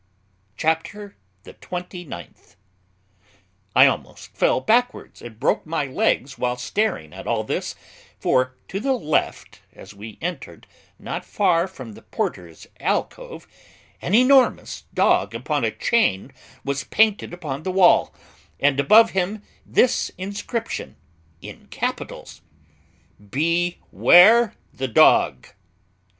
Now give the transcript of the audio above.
CHAPTER THE TWENTY NINTH. I almost fell backwards and broke my legs while staring at all this, for to the left, as we entered, not far from the porter's alcove, an enormous dog upon a chain was painted upon the wall, and above him this inscription, in capitals: BEWARE THE DOG.